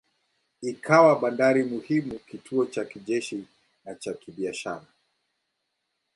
Ikawa bandari muhimu, kituo cha kijeshi na cha kibiashara.